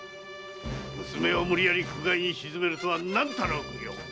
娘を無理矢理苦界に沈めるとは何たる悪行。